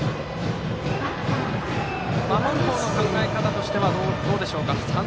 守る方の考え方としてはどうでしょうか。